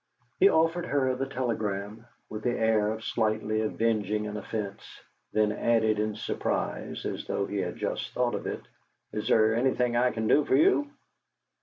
He offered her the telegram, with the air of slightly avenging an offence; then added in surprise, as though he had just thought of it: "Is there anything I can do for you?"